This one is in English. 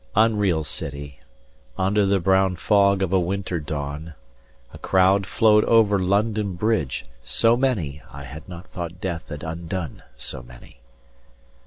Unreal City, 60 Under the brown fog of a winter dawn, A crowd flowed over London Bridge, so many, I had not thought death had undone so many.